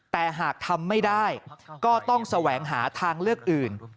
แต่หากทำไม่ได้ก็ต้องแสวงหาทางเลือกอื่น